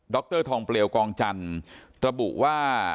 รทองเปลวกองจันทร์ระบุว่า